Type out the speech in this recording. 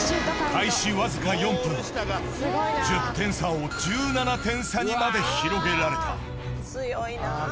開始わずか４分１０点差を１７点差にまで広げられた強いな。